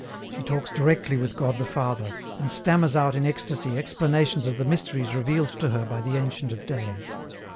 She talks directly with God the Father, and stammers out in ecstasy explanations of the mysteries revealed to her by the Ancient of days.